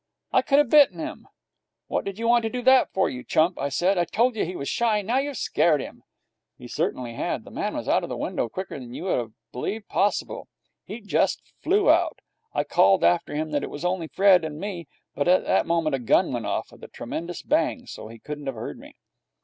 I could have bitten him. 'What did you want to do that for, you chump?' I said 'I told you he was shy. Now you've scared him.' He certainly had. The man was out of the window quicker than you would have believed possible. He just flew out. I called after him that it was only Fred and me, but at that moment a gun went off with a tremendous bang, so he couldn't have heard me.